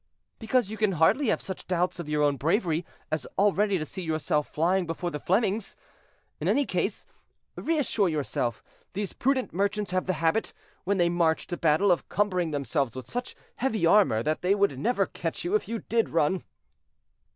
"Because you can hardly have such doubts of your own bravery as already to see yourself flying before the Flemings. In any case, reassure yourself, these prudent merchants have the habit, when they march to battle, of cumbering themselves with such heavy armor that they would never catch you if you did run."